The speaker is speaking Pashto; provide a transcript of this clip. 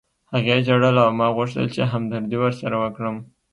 هغې ژړل او ما غوښتل چې همدردي ورسره وکړم